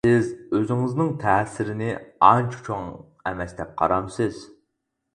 سىز ئۆزىڭىزنىڭ تەسىرىنى ئانچە چوڭ ئەمەس دەپ قارامسىز.